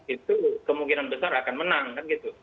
itu kemungkinan besar akan menang kan gitu